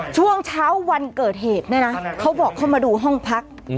ช่วงเช้าวันเกิดเหตุเนี่ยนะเขาบอกเข้ามาดูห้องพัก